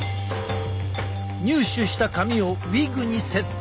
入手した髪をウィッグにセット。